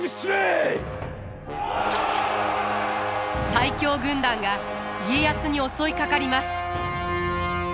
最強軍団が家康に襲いかかります。